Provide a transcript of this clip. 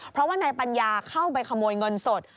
เพราะว่านายปัญญาเข้าไปขโมยเงินสด